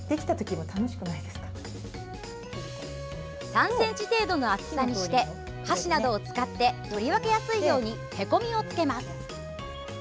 ３ｃｍ程度の厚さにして箸などを使って取り分けやすいようにへこみをつけます。